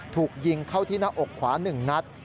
ถูกยิงเข้าที่หน้าอกขวา๑นัด